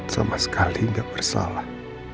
sama sekali gak bersalah